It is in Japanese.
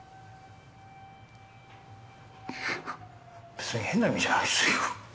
別に変な意味じゃないですよ。